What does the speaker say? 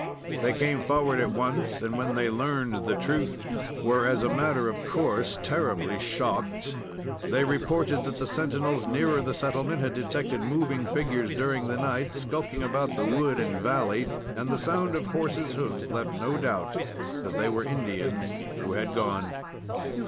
They came forward at once, and when they learned the truth, were, as a matter of course, terribly shocked. They reported that the sentinels nearer the settlement had detected moving figures during the night skulking about the wood and valley, and the sound of horses' hoofs left no doubt that they were Indians who had gone.